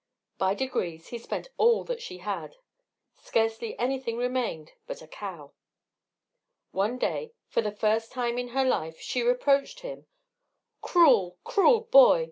By degrees, he spent all that she had scarcely anything remained but a cow. One day, for the first time in her life, she reproached him: "Cruel, cruel boy!